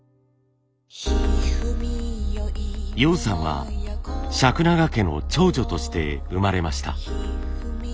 陽さんは釋永家の長女として生まれました。